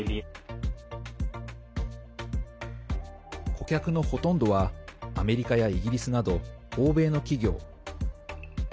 顧客のほとんどはアメリカやイギリスなど欧米の企業。